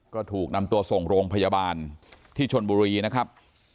ก็ถูกนำตัวส่งโรงพยาบาลที่ชนบุรีนะครับ